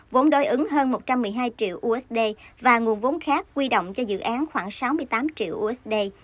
vốn đối ứng hơn một trăm một mươi hai triệu usd và nguồn vốn khác quy động cho dự án khoảng sáu mươi tám triệu usd